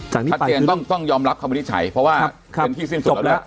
ประเทศต้องยอมรับความวินิจฉัยเพราะว่าเป็นที่สิ้นสุดแล้ว